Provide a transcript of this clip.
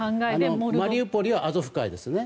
マリウポリはアゾフ海ですよね。